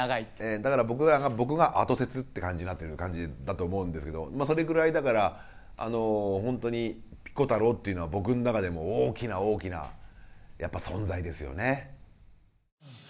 だから僕が後説って感じになってる感じだと思うんですけどまあそれぐらいだから本当にピコ太郎っていうのは僕の中でも大きな大きなやっぱ存在ですよね。